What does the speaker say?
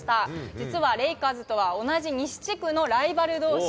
実はレイカーズとは同じ西地区のライバルどうし。